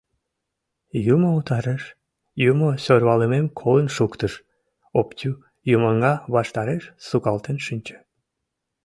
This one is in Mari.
«Юмо утарыш, Юмо сӧрвалымем колын шуктыш!» — Оптю юмоҥа ваштареш сукалтен шинче.